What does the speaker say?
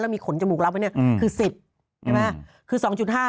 แล้วมีขนจมูกรับไว้นี่คือ๑๐ใช่ไหม